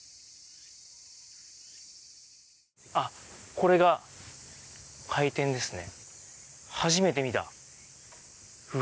あっこれが回天ですね。